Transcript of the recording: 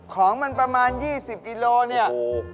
ของมันประมาณ๒๐กิโลเนี่ย